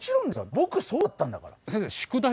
ぼくそうだったんだから。